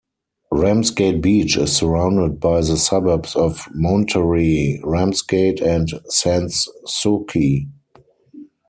Ramsgate Beach is surrounded by the suburbs of Monterey, Ramsgate and Sans Souci.